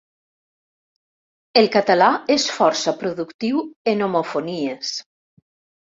El català és força productiu en homofonies.